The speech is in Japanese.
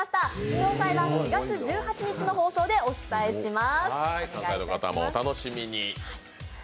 詳細は４月１８日の放送でお伝えします。